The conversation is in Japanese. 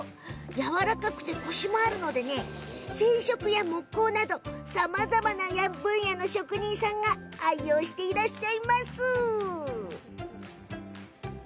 やわらかくコシもあるから染色や木工などさまざまな分野の職人さんが愛用していらっしゃいます。